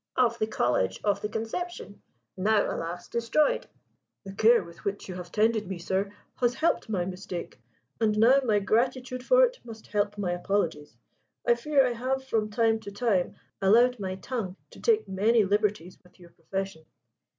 "Of the College of the Conception now, alas! destroyed." "The care with which you have tended me, sir, has helped my mistake: and now my gratitude for it must help my apologies. I fear I have, from time to time, allowed my tongue to take many liberties with your profession."